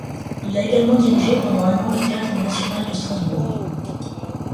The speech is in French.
Il a également dirigé pendant un an le Théâtre national de Strasbourg.